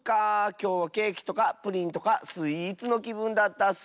きょうはケーキとかプリンとかスイーツのきぶんだったッス。